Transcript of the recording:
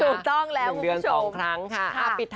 ถูกต้องแล้วคุณผู้ชมปิดทางแล้วค่ะ